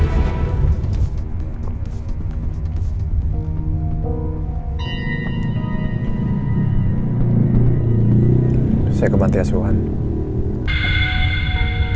saya ke bantai asuhan